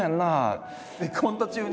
コント中に？